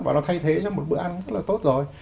và nó thay thế cho một bữa ăn rất là tốt rồi